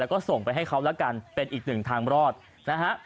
แล้วก็ส่งไปให้เขาแล้วกันเป็นอีกหนึ่งทางรอดนะฮะ